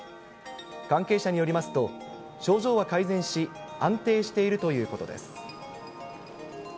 関係者によりますと、症状は改善し、安定しているということです。